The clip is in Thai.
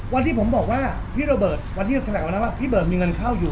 วันที่ผมบอกว่าพี่โรเบิร์ตวันที่แถลงวันนั้นว่าพี่เบิร์ดมีเงินเข้าอยู่